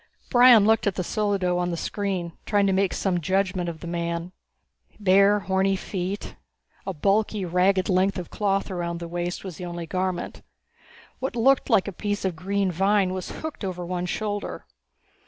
Brion looked at the solido on the screen, trying to make some judgment of the man. Bare, horny feet. A bulky, ragged length of cloth around the waist was the only garment. What looked like a piece of green vine was hooked over one shoulder.